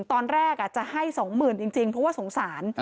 ตอนแรกจะให้๒๐๐๐จริงเพราะว่าสงสาร